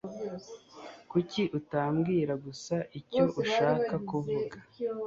Kuki utambwira gusa icyo ushaka kuvuga?